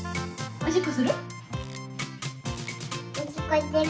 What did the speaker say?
おしっこする。